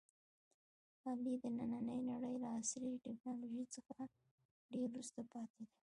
علي د نننۍ نړۍ له عصري ټکنالوژۍ څخه ډېر وروسته پاتې دی.